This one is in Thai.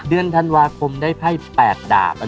เดือนธันวาคมได้ไพ่๘ดาบ